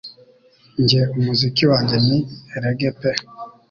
Njye umuziki wanjye ni rege pe.